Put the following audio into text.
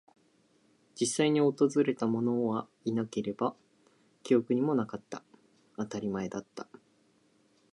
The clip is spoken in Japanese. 実際に訪れたものはいなければ、記憶にもなかった。当たり前だった。